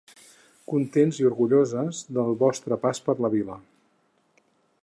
Contents i orgulloses del vostre pas per la vila.